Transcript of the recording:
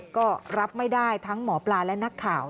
ก็รับไม่ได้ทั้งหมอปลาและนักข่าว